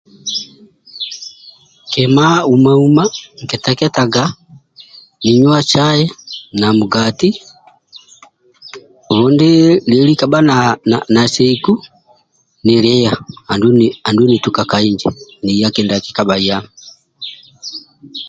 Kima uma uma nkitketaga ninuwa caí na mugati lundi lieli kabha naseiku nilia andulu nituka ka inji niya ki die nkikabha yami